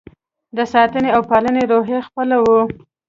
د ساتنې او پالنې روحیه خپله وه.